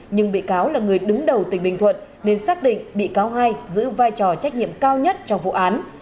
nhưng bị cáo là người đứng đầu tỉnh bình thuận nên xác định bị cáo hai giữ vai trò trách nhiệm cao nhất trong vụ án